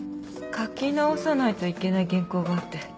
書き直さないといけない原稿があって。